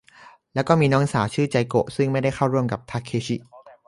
แล้วก็เลยมีน้องสาวชื่อไจโกะ ซึ่งไม่ได้เข้ากับทาเคชิ